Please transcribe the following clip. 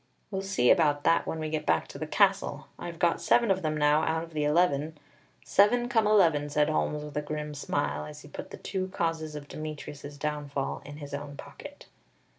"We'll see about that when we get back to the castle, I've got seven of them now out of the eleven. Seven, come eleven!" said Holmes with a grim smile, as he put the two causes of Demetrius's downfall in his own pocket.